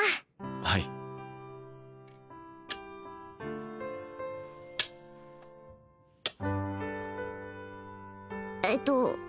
はいえっと